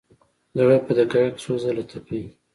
زړه په دقیقه کې څو ځله تپي.